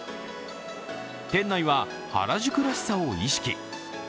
店内は原宿らしさを意識。